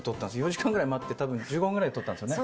４時間ぐらい待って、たぶん１５分くらいで撮ったんですよね。